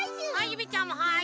ゆめちゃんもはい！